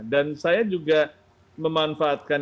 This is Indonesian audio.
dan saya juga memanfaatkan